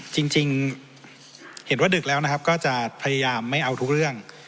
จริงเห็นว่าดึกแล้วนะครับก็จะพยายามไม่เอาทุกเรื่อง